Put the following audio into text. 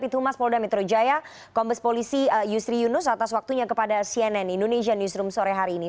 kamas polda metro jaya kombes polisi yusri yunus atas waktunya kepada cnn indonesia newsroom sore hari ini